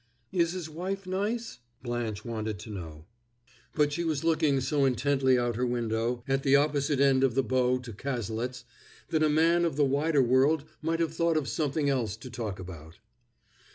"Is his wife nice?" Blanche wanted to know; but she was looking so intently out her window, at the opposite end of the bow to Cazalet's, that a man of the wider world might have thought of something else to talk about.